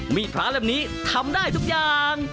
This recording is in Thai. มีดพระเล่มนี้ทำได้ทุกอย่าง